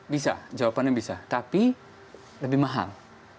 bisa jawabannya bisa tapi lebih mahal